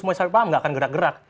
semuanya paham nggak akan gerak gerak